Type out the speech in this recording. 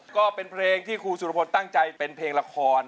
ก็เป็นเพลงที่ครูสุรพลตั้งใจเป็นเพลงละคร